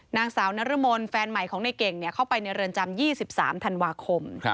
นางสาวนรมนแฟนใหม่ของในเก่งเข้าไปในเรือนจำ๒๓ธันวาคม